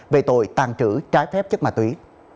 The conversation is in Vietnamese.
về tội tàn trữ trái phép chất ma túy